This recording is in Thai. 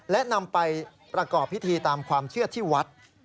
และนำไปประกอบพิธีตามความเชื่อที่วัด